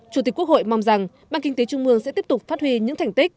chủ tịch quốc hội mong rằng ban kinh tế trung mương sẽ tiếp tục phát huy những thành tích